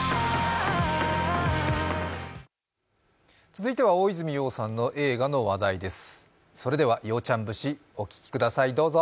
続いては大泉洋さんの映画の話題です。